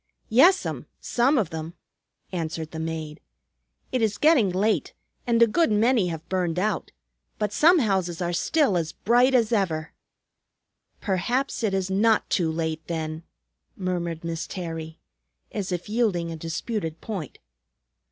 "Yes'm, some of them," answered the maid. "It is getting late, and a good many have burned out. But some houses are still as bright as ever." "Perhaps it is not too late, then," murmured Miss Terry, as if yielding a disputed point.